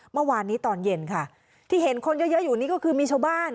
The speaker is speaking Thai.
เมื่อวานนี้ตอนเย็นค่ะที่เห็นคนเยอะเยอะอยู่นี่ก็คือมีชาวบ้าน